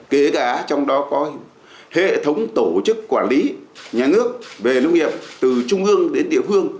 kể cả trong đó có hệ thống tổ chức quản lý nhà nước về nông nghiệp từ trung ương đến địa phương